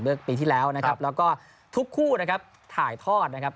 เมื่อปีที่แล้วนะครับแล้วก็ทุกคู่นะครับถ่ายทอดนะครับ